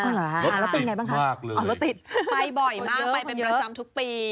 รถติดมากเลยไปบ่อยมากไปเป็นประจำทุกปี